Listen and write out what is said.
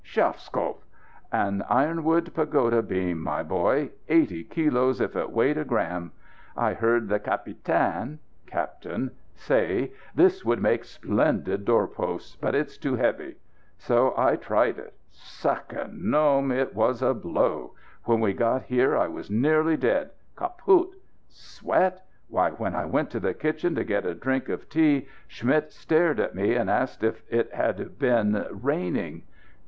Schafskopf! An ironwood pagoda beam, my boy. Eighty kilos, if it weighed a gramme! I heard the Capitän (captain) say, 'This would make splendid doorposts, but it's too heavy,' so I tried it. Sacré nom! It was a blow. When we got here I was nearly dead. Kaput! Sweat? Why, when I went to the kitchen to get a drink of tea, Schmidt stared at me, and asked if it had been raining.